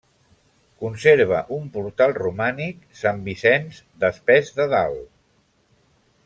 Conserva un portal romànic Sant Vicenç d'Espés de Dalt.